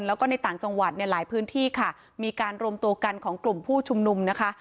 แล้วก็ในต่างจังหวัดเนี่ยหลายพื้นที่ค่ะมีการรวมตัวกันของกลุ่มผู้ชุมนุมนะคะ